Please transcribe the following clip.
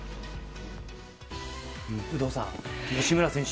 有働さん、吉村選手